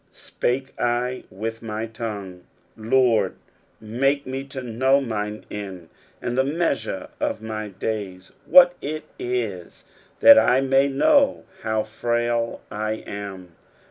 spake I with my tongue, 4 Lord, make me to know mine end, and the measure of my days, what it is ; titat I may know how frail I am.